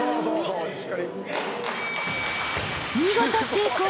［見事成功！］